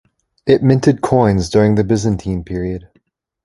It minted coins during the Byzantine period.